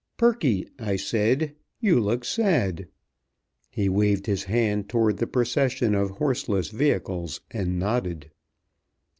"Perky," I said, "you look sad." He waved his hand toward the procession of horseless vehicles, and nodded.